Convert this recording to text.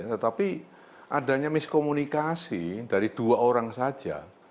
tetapi adanya miskomunikasi dari dua orang saja